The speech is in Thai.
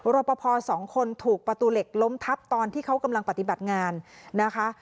รอปภสองคนถูกประตูเหล็กล้มทับตอนที่เขากำลังปฏิบัติงานนะคะ